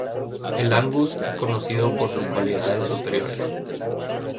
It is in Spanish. El Angus es conocido por sus cualidades superiores.